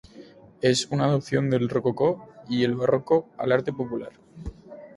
Es una adaptación del rococó y el barroco al arte popular.